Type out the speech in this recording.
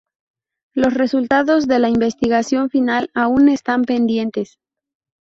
Los resultados de la investigación final aún están pendientes.